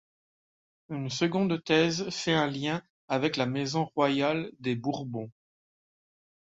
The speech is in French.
Une seconde thèse fait un lien avec la maison royale des Bourbon.